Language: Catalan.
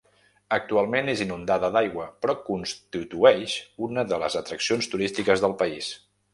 Actualment és inundada d'aigua, però constitueix una de les atraccions turístiques del país.